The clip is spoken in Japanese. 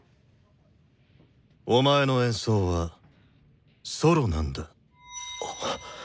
お前の演奏は「ソロ」なんだ。